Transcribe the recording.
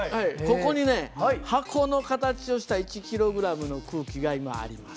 ここにね箱の形をした１ｋｇの空気が今あります。